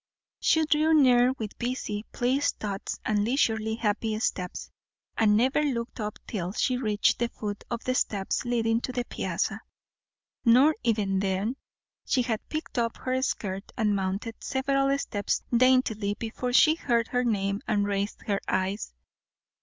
She drew near with busy, pleased thoughts, and leisurely happy steps, and never looked up till she reached the foot of the steps leading to the piazza. Nor even then; she had picked up her skirt and mounted several steps daintily before she heard her name and raised her eyes.